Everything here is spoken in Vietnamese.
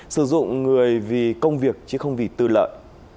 sử dụng người vì công việc chứ không vì tư lợi